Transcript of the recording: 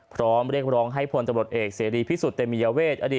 พร้อมเรียกร้องให้ผลจำรดเอกเสรีพิสุทธิ์เต็มมียาเวช